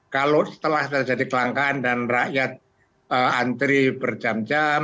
kalau setelah terjadi kelangkaan dan rakyat antri berjam jam